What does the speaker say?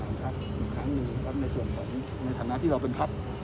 ท่านนายโยคตามที่นายโยคบอกนะครับว่า๓คนเป็นโครต้าของท่านนายโยคธรรมดรีนะครับ